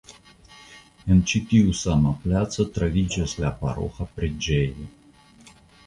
En ĉi tiu sama placo troviĝas la paroĥa preĝejo.